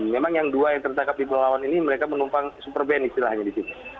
memang yang dua yang tertangkap di pulau lawan ini mereka menumpang super band istilahnya di sini